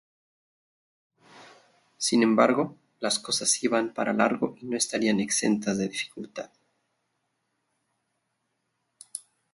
Sin embargo, las cosas iban para largo y no estarían exentas de dificultades.